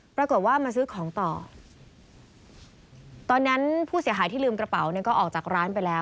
ปรากฏว่ามาซื้อของต่อตอนนั้นผู้เสียหายที่ลืมกระเป๋าเนี่ยก็ออกจากร้านไปแล้ว